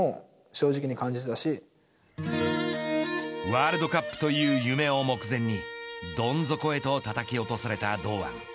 ワールドカップという夢を目前にどん底へとたたき落とされた堂安。